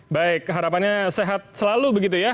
baik harapannya sehat selalu begitu ya